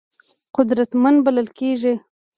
قدرتمند بلل کېږي.